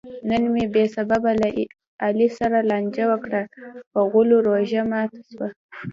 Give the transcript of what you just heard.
نن مې بې سببه له علي سره لانجه وکړه؛ په غولو روژه ماته شوه.